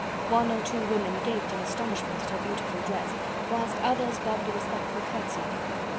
One or two women gaped in astonishment at her beautiful dress, whilst others bobbed a respectful curtsey.